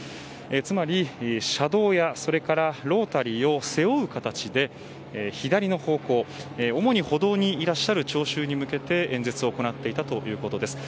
つまり、車道やロータリーを背負う形で、左の方向主に歩道にいらっしゃる聴衆に向けて演説を行っていたということです。